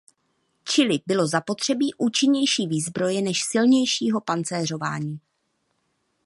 Čili bylo zapotřebí účinnější výzbroje než silnějšího pancéřování.